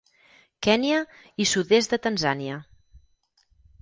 Kenya i sud-est de Tanzània.